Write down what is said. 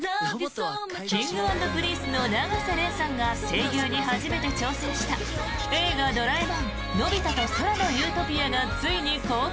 Ｋｉｎｇ＆Ｐｒｉｎｃｅの永瀬廉さんが声優に初めて挑戦した「映画ドラえもんのび太と空の理想郷」がついに公開。